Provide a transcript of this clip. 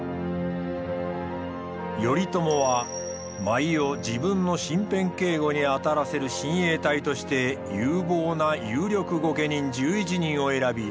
頼朝は毎夜自分の身辺警護に当たらせる親衛隊として有望な有力御家人１１人を選び